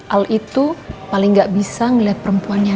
al itu paling gak bisa melihat perempuannya